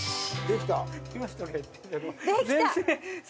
できた！